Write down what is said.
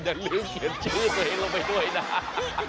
อย่าลืมเขียนชื่อตัวเองลงไปด้วยนะ